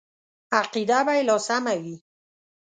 عقیده به یې لا سمه وي.